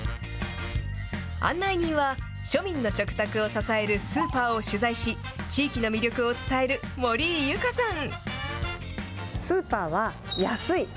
案内人は、庶民の食卓を支えるスーパーを取材し、地域の魅力を伝える森井ユカさん。